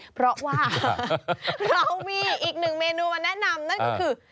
เพราะว่าเรามีอีกหนึ่งเมนูมาแนะนำนั่นก็คือ